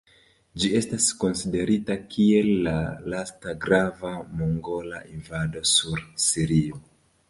Ĝi estas konsiderita kiel la lasta grava mongola invado sur Sirio.